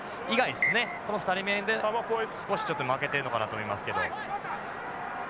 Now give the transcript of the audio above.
この２人目で少しちょっと負けてるのかなと思いますけど。